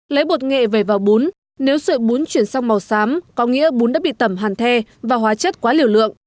lấy bột nghệ vào bún nếu sợi bún chuyển sang màu xám có nghĩa bún đã bị tẩm hàn the và hóa chất quá liều lượng